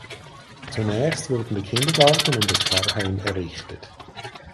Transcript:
Zunächst wurden der Kindergarten und das Pfarrheim errichtet.